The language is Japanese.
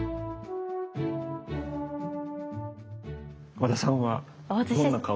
和田さんはどんな顔して？